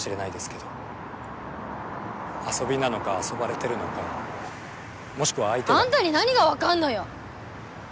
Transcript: けど遊びなのか遊ばれてるのかもしくは相手があんたに何が分かんのよ！